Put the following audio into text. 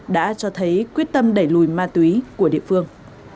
đã cho thấy quyết tâm đẩy lùi ma túy của địa phương